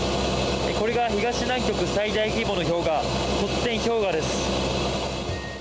これが東南極最大規模の氷河トッテン氷河です。